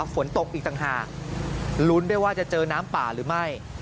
ฝนตกอีกต่างหากลุ้นด้วยว่าจะเจอน้ำป่าหรือไม่